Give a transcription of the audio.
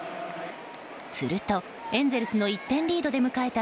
するとエンゼルスの１点リードで迎えた